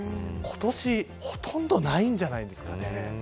今年は、ほとんどないんじゃないですかね。